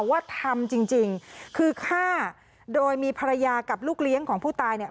ว่าทำจริงจริงคือฆ่าโดยมีภรรยากับลูกเลี้ยงของผู้ตายเนี่ย